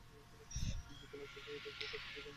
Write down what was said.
খোলা চোখে দেখলে সবকিছু কেমন স্পষ্ট মনে হয়, না?